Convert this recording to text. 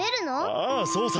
ああそうさ。